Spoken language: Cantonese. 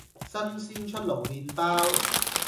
新鮮出爐麵包